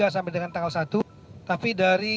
tiga sampai dengan tanggal satu tapi dari